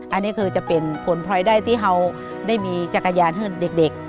อันนี้คือจะเป็นผลพลอยได้ที่เขาได้มีจักรยานให้เด็ก